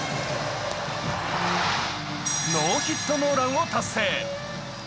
ノーヒットノーランを達成。